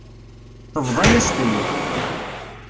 Tebḍa-yas-ten-id.